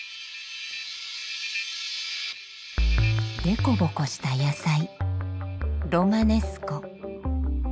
でこぼこした野菜ロマネスコ。